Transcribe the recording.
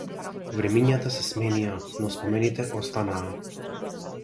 Времињата се сменија но спомените останаа.